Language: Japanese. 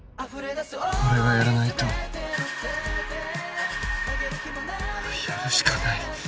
俺がやらないとやるしかない。